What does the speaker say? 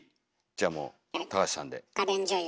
じゃあもう橋さんで。